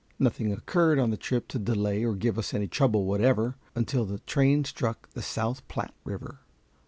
Nothing occurred on the trip to delay or give us any trouble whatever, until the train struck the South Platte River.